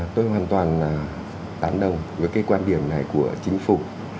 tôi hoàn toàn tán đồng với cái quan điểm này của chính phủ